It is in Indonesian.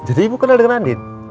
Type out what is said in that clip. jadi ibu kenal dengan andin